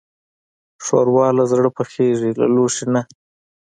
ښوروا له زړه پخېږي، له لوښي نه.